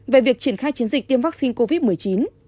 về việc triển khai chiến dịch tiêm vaccine covid một mươi chín